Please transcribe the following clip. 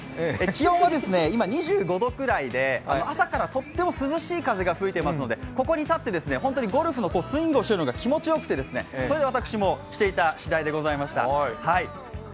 気温は今２５度くらいで、朝からとっても涼しい風が吹いていますので、ここに立って本当にゴルフのスイングをするのが気持ちよくて、それで私も、していたしだいでございました。